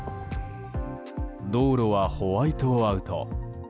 道路はホワイトアウト。